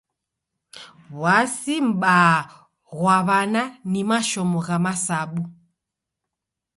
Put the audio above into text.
W'asi m'baa ghwa w'ana ni mashomo gha masabu.